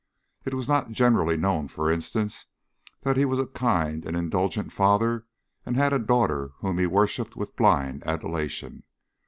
It was not generally known, for instance, that he was a kind and indulgent father and had a daughter whom he worshiped with blind adulation.